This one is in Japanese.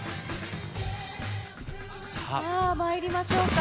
さあ、まいりましょうか。